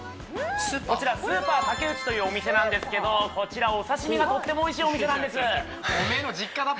こちらスーパータケウチというお店なんですけどこちらお刺身がとってもおいしいお店なんですええっ？